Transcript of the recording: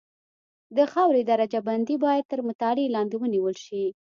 د خاورې درجه بندي باید تر مطالعې لاندې ونیول شي